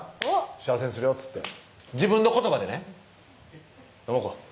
「幸せにするよ」っつって自分の言葉でね智子